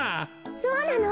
そうなの！